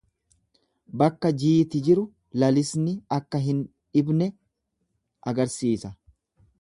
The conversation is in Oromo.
Bakka jiiti jiru lalisni akka hin dhibne agarsiisa.